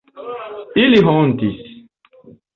Ili hontis.